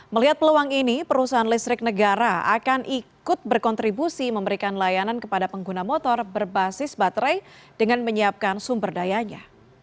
melihat peluang ini perusahaan listrik negara akan ikut berkontribusi memberikan layanan kepada pengguna motor berbasis baterai dengan menyiapkan sumber dayanya